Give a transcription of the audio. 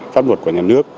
pháp luật của nhà nước